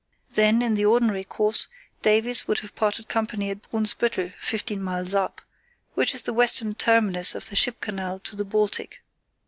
Then, in the ordinary course, Davies would have parted company at Brunsbüttel (fifteen miles up), which is the western terminus of the ship canal to the Baltic.